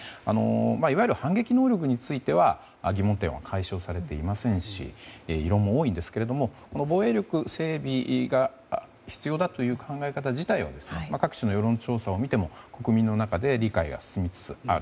いわゆる反撃能力については疑問点は解消されていませんし異論も多いんですが防衛力整備が必要だという考え方自体は各地の世論調査を見ても理解が進みつつある。